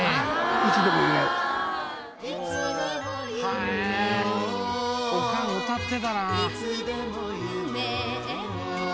へえおかん歌ってたな。